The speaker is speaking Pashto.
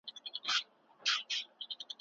مالياتي نظام راځي.